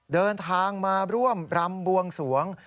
เดินทางมาร่วมรำบวงสวง